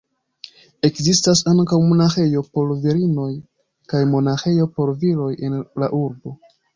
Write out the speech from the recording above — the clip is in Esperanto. Ekzistas ankaŭ monaĥejo por virinoj kaj monaĥejo por viroj en la urbo.